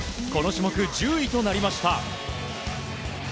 この種目、１０位となりました。